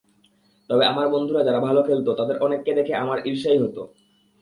তবে, আমার বন্ধুরা যারা ভালো খেলত, তাদের অনেককে দেখে আমার ঈর্ষাই হতো।